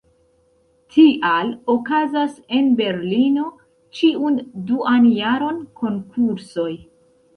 Tial okazas en Berlino ĉiun duan jaron konkursoj.